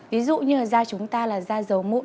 ví dụ như là da chúng ta là da dầu mụn